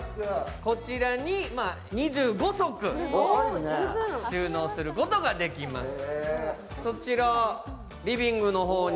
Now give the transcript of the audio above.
こちらに２５足収納することができます。